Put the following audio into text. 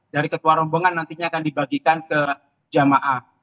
dari ketua rombongan nantinya akan dibagikan ke jamaah